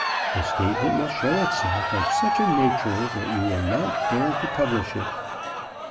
The statement will show itself of such a nature that you will not dare to publish it.